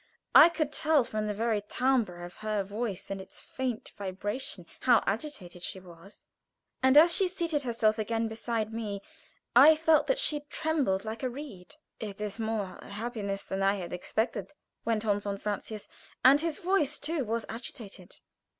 I could tell from the very timbre of her voice and its faint vibration how agitated she was, and as she seated herself again beside me, I felt that she trembled like a reed. "It is more happiness than I expected," went on von Francius, and his voice too was agitated.